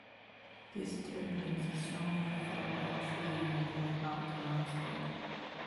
This turbulence is strong enough to uproot trees and wipe out the landscape.